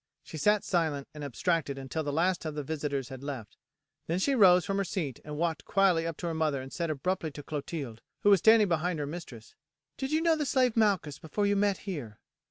She sat silent and abstracted until the last of the visitors had left, then she rose from her seat and walked quietly up to her mother and said abruptly to Clotilde, who was standing behind her mistress: "Did you know the slave Malchus before you met here?"